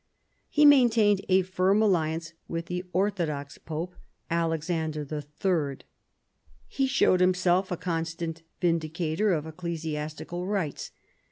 He maintained a firm alliance with the orthodox pope, Alexander III. He showed himself a constant vindicator of ecclesiastical rights.